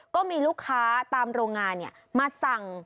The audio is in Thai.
ก็มีลูกค้าตามโรงงานมาสั่ง